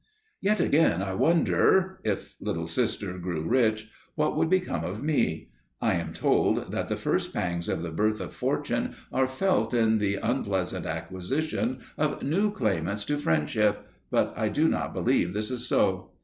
Yet, again I wonder if Little Sister grew rich, what would become of me? I am told that the first pangs of the birth of Fortune are felt in the unpleasant acquisition of new claimants to friendship, but I do not believe this is so.